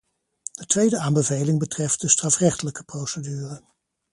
De tweede aanbeveling betreft de strafrechtelijke procedure.